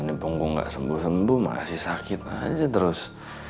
ini bonggong gak sembuh sembuh masih sakit aja terus